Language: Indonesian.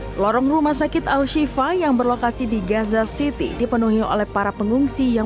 hai lorong rumah sakit al shifa yang berlokasi di gaza city dipenuhi oleh para pengungsi yang